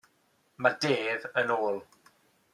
Mae Dave yn ôl!